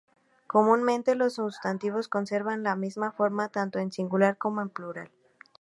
Comúnmente los sustantivos conservan la misma forma tanto en singular como en plural.